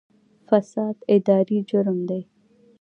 فساد اداري جرم دی